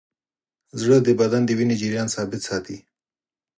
زړه د بدن د وینې جریان ثابت ساتي.